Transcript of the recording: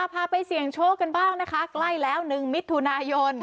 พาไปเสี่ยงโชคกันบ้างนะคะใกล้แล้ว๑มิถุนายน